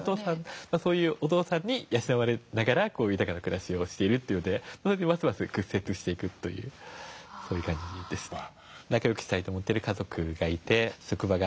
そういうお父さんに養われながら豊かな暮らしをしているのでますます屈折していくという感じですね。